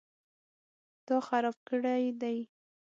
_تا خراب کړی دی؟